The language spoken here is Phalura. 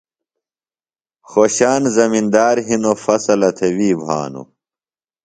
خوشان زمندار ہِنوۡ، فصلہ تھےۡ وی بھانوۡ